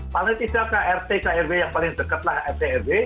paling tidak krp krw yang paling dekat